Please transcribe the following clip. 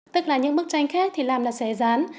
tức là những bức tranh khác thì làm là xe dán